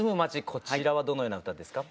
こちらはどのような歌ですか？